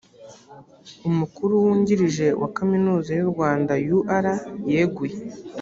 umukuru wungirije wa kaminuza y’u rwanda ur yeguye